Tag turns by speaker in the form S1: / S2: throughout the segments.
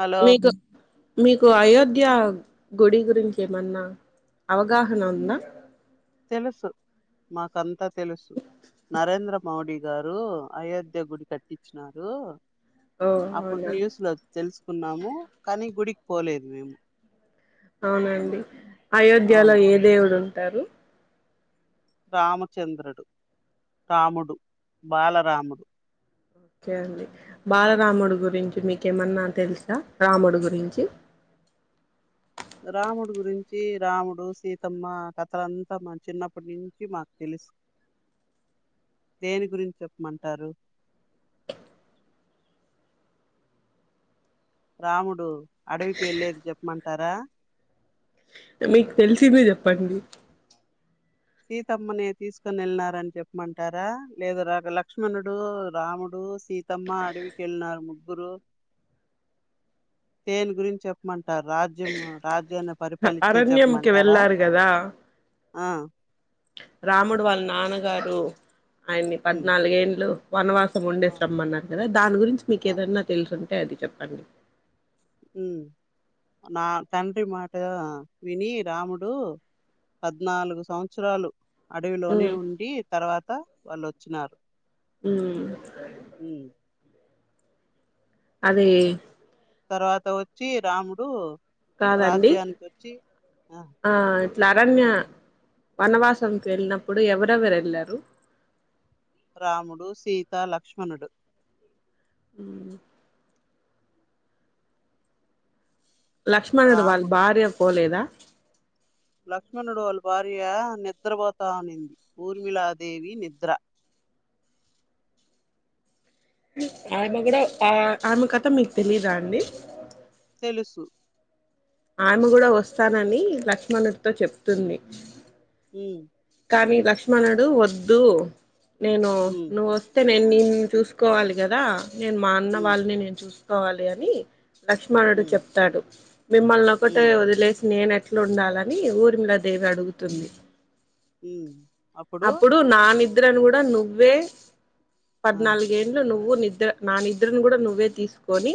S1: hello
S2: మీకు మీకు ఆయో ద్యా గుడి గురించి ఏమన్నా అవగాహన ఉందా
S1: తెలుసు మాకంతా తెలుసు నరేంద్ర మోడీ గారు అయోధ్య గుడి కట్టించినారు
S2: ఓ
S1: అప్పుడు
S2: అవునా
S1: న్యూస్ లో తెలుసుకున్నాము కానీ గుడికి పోలేదు మేము
S2: అవునండి అయోధ్యలో
S1: అవును
S2: ఏ దేవుడు ఉంటారు
S1: రామచంద్రుడు రాముడు బాలరాముడు
S2: ఓకే అండి బాలరాముడి గురించి మీకేమన్నా తెలుసా రాముడి గురించి
S1: రాముడు గురించి రాముడు సీతమ్మ కథలంతా చిన్నప్పటి నుంచి మాకు తెలుసు దేని గురించి చెప్పమంటారు రాముడు అడవికి వెళ్ళలేది చెప్పమంటారా
S2: మీకు తెలిసింద చెప్పండి
S1: సీతమ్మని తీసుకొని వెళ్ళినారని చెప్పమంటారా లేదా రాక లక్ష్మణుడు రాముడు సీతమ్మ అడవికిెళ్ళినారు ముగ్గురు
S2: అ
S1: దేని గురించి చెప్పమంటారు రాజ్యం రాజ్య
S2: అరణ్యంకి వెళ్ళారు కదా
S1: ఆ
S2: రాముడు వాళ్ళ నాన్నగారు ఆయన్ని
S1: ఉమ్
S2: పద్నాలుగేంలు వనవాస
S1: ఆ
S2: ఉండేస్త్రమ్మ అన్నారు కదా దాని గురించి మీకు ఏదన్నా తెలుసుంటే అది చెప్పండి
S1: ఉ నా తండ్రి మాట విని రాముడు పద్నాలుగు సంవత్సరాలు అడవిలోనే
S2: ఉమ్
S1: ఉండి తర్వాత వాళ్ళుొచ్చినారు
S2: ఉమ్ అదే
S1: తర్వాత వచ్చి రాముడు
S2: కాదండి
S1: రాజ్యానికి వచ్చి
S2: ఆ ఇట్లా అరణ్య వనవాసంకి వెళ్ళినప్పుడు ఎవరెవరు వెళ్ళారు
S1: రాముడు సీత లక్ష్మణుడు
S2: అ లక్ష్మణుడు వాళ్ళ
S1: రాముడు
S2: భార్య పోలేదా
S1: లక్ష్మణుడు వాళ్ళ భార్య నిద్రపోతానింది ఊర్మిళ దేవి నిద్ర
S2: ఆమె కూడా ఆ ఆమె కథ మీకు తెలీదా అండి
S1: తెలుసు
S2: ఆమె కూడా వస్తానని లక్ష్మణుడితో చెప్తుంది
S1: ఉమ్
S2: కానీ లక్ష్మణుడు వద్దు నేను
S1: ఉమ్
S2: నువ్వు వస్తే నేను నిను చూసుకోవాలి కదా నేను మా అన్న
S1: ఉమ్
S2: వాళ్ళని నేను చూసుకోవాలి అని లక్ష్మణుడు
S1: ఉమ్
S2: చెప్తాడు మిమ్మల్ని ఒకటే
S1: ఉమ్
S2: వదిలేసి నేన ఎట్లా ఉండాలని ఊరిమిల దేవి అడుగుతుంది
S1: అప్పుడు
S2: నిద్రను కూడా నువ్వే
S1: ఆ
S2: పద్నాలుగేంలు నువ్వు ని నిద్ర నా నిద్రను కూడా నువ్వే తీసుకొని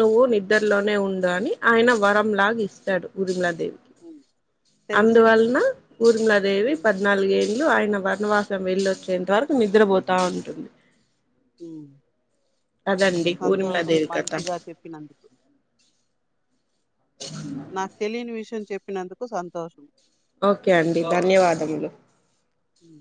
S2: నువ్వు
S1: ఉమ్
S2: నిద్రలోనే ఉం అని ఆయన వరం లాగా ఇస్తాడు ఊర్మిళ దేవి
S1: ఉమ్
S2: అందు
S1: తెలుసు
S2: వాళ్ళన ఊర్మిలాదేవి
S1: ఉమ్
S2: పద్నాలుగుగేళ్ళలు ఆయన వనవాసం వెళ్ళ వచ్చేంత వరకు నిద్రపోతా ఉంటుంది
S1: ఉమ్
S2: అదండి ఊరిమిల
S1: సంతోషం
S2: దేవి కథ
S1: మంచిగా చెప్పినందుకు నాకు తెలియని విషయం చెప్పినందుకు సంతోషం
S2: ఓకే అండి ధన్యవాదములు
S1: ఉమ్